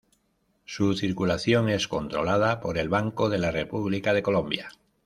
Su circulación es controlada por el Banco de la República de Colombia.